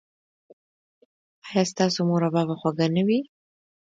ایا ستاسو مربا به خوږه نه وي؟